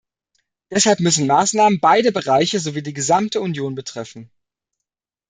Deshalb müssen Maßnahmen beide Bereiche sowie die gesamte Union betreffen.